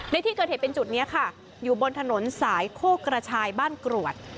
ในที่เกิดเหตุเป็นจุดนี้ค่ะอยู่บนถนนสายโคกกระชายบ้านกรวด